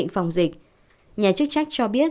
phòng dịch nhà chức trách cho biết